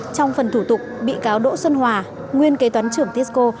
trong phần thủ tục bị cáo đỗ xuân hòa nguyên kế toán trưởng tisco